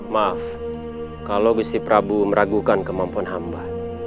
maaf kalau gusi prabu meragukan kemampuan hamba